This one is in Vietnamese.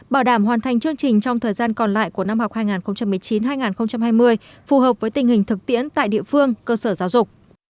bảo đảm hoàn thành chương trình trong thời gian còn lại của năm học hai nghìn một mươi chín hai nghìn hai mươi phù hợp với tình hình thực tiễn tại địa phương cơ sở giáo dục